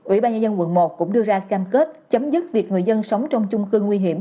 ủy ban nhân dân quận một cũng đưa ra cam kết chấm dứt việc người dân sống trong chung cư nguy hiểm